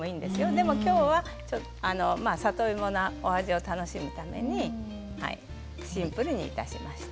でも、今日は里芋のお味を楽しむためにシンプルにいたしました。